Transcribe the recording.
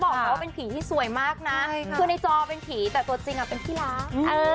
ก็ดีอะดีแฮปปี้ทุกอย่าง